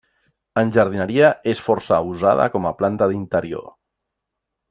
En jardineria és força usada com a planta d'interior.